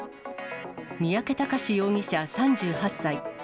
三宅孝容疑者３８歳。